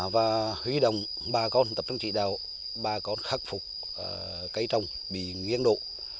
và hủy đồng ba con tập trung trị đào ba con khắc phục cây trong bị nghiêng độ